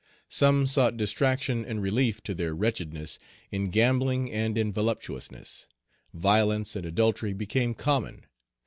Some sought distraction Page 221 and relief to their wretchedness in gambling and in voluptuousness; violence and adultery became common.